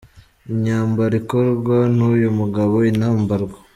Imyambaro ikorwa n’uyu mugabo inambarwa.